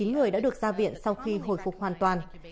một trăm một mươi chín người đã được ra viện sau khi hồi phục hoàn toàn